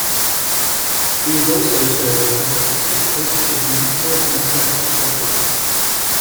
He is also serves as Assistant coach of Newport Mesa Soccer Club.